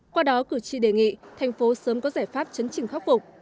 qua đó cử tri đề nghị thành phố sớm có giải pháp chấn trình khắc phục